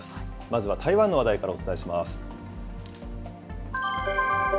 まずは台湾の話題からお伝えします。